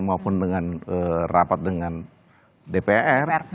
maupun dengan rapat dengan dpr